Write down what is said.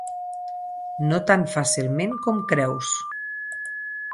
No tan fàcilment com creus.